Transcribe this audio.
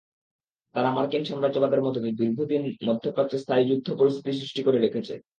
তারা মার্কিন সাম্রাজ্যবাদের মদদে দীর্ঘদিন মধ্যপ্রাচ্যে স্থায়ী যুদ্ধ পরিস্থিতি সৃষ্টি করে রেখেছে।